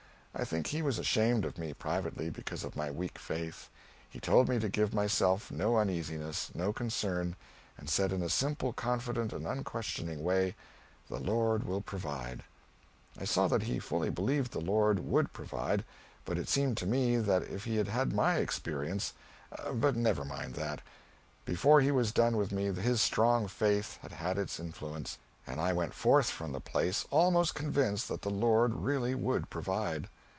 I think he was ashamed of me, privately, because of my weak faith. He told me to give myself no uneasiness, no concern; and said in a simple, confident, and unquestioning way, "the Lord will provide." I saw that he fully believed the Lord would provide, but it seemed to me that if he had had my experience But never mind that; before he was done with me his strong faith had had its influence, and I went forth from the place almost convinced that the Lord really would provide.